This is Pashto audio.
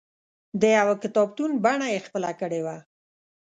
د یوه کتابتون بڼه یې خپله کړې وه.